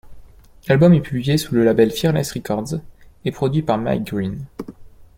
L'album est publié sous le label Fearless Records, et produit par Mike Green.